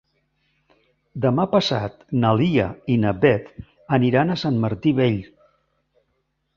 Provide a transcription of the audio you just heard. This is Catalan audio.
Demà passat na Lia i na Beth aniran a Sant Martí Vell.